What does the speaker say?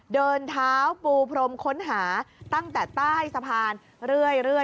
เดินเท้าปูพรมค้นหาตั้งแต่ใต้สะพานเรื่อย